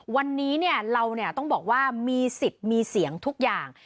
วันนี้เราต้องบอกว่ามีสิทธิ์มีเสียงทุกอย่าง